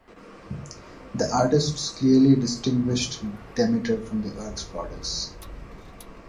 The artists clearly distinguished Demeter from the Earth Goddess.